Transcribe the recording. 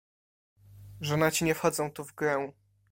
"Żonaci nie wchodzą tu w grę."